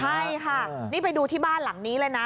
ใช่ค่ะนี่ไปดูที่บ้านหลังนี้เลยนะ